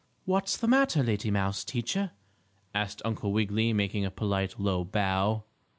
"What's the matter, lady mouse teacher?" asked Uncle Wiggily, making a polite, low bow.